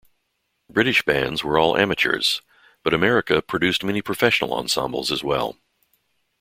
British bands were all amateurs, but America produced many professional ensembles as well.